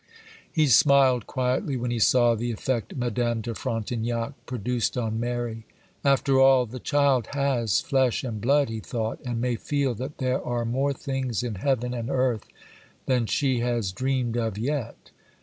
He smiled quietly when he saw the effect Madame de Frontignac produced on Mary. 'After all, the child has flesh and blood!' he thought, 'and may feel that there are more things in heaven and earth than she has dreamed of yet.